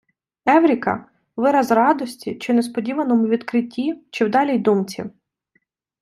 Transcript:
Евріка - вираз радості при несподіваному відкритті чи вдалій думці